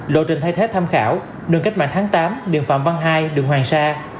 lộ trình thay thế tham khảo đường cách mạng tháng tám đường phạm văn hai đường hoàng sa